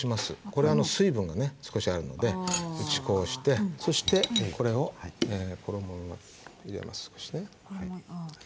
これは水分がね少しあるので打ち粉をしてそしてこれを衣を入れます少しね。